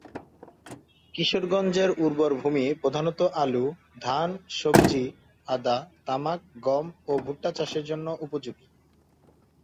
কিশোরগঞ্জ এর উর্বর ভূমি প্রধানত আলু, ধান, শাকসবজি, আদা, তামাক, গম ও ভুট্টা চাষের জন্য উপযোগী।